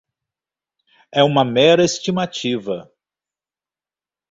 É uma mera estimativa.